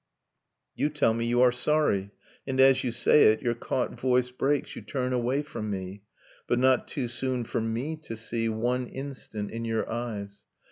You tell me you are sorry — and as you say it Your caught voice breaks, you turn away from me. But not too soon for me to see One instant, in your eyes.